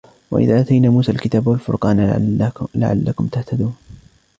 وإذ آتينا موسى الكتاب والفرقان لعلكم تهتدون